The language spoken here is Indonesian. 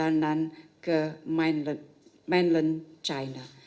jangan lakukan perjalanan ke mainland china